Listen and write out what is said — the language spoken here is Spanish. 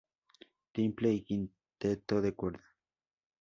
Timple y quinteto de cuerda.